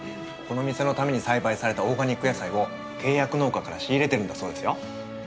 この店のために栽培されたオーガニック野菜を契約農家から仕入れてるんだそうですよ。